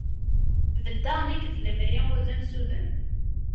Beddeɣ nekk d lemri udem s udem.